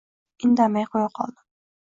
Indamay qo‘ya qoldim.